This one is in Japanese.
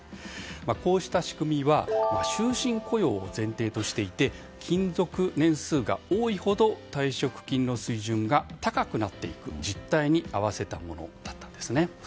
こうした仕組みは終身雇用を前提としていて勤続年数が多いほど退職金の水準が高くなっていく実態に合わせたものだったんですね。